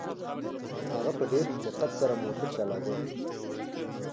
هغه په ډېر دقت سره موټر چلاوه.